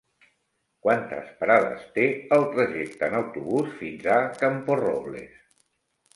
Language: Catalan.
Quantes parades té el trajecte en autobús fins a Camporrobles?